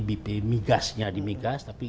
bp migasnya di migas tapi